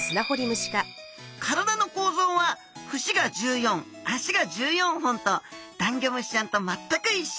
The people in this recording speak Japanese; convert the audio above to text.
体の構造は節が１４脚が１４本とダンギョムシちゃんと全く一緒。